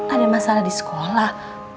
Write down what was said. ada masalah di sekolah